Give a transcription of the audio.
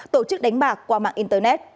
tổ chức đánh bạc qua mạng